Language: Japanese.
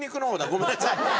ごめんなさい。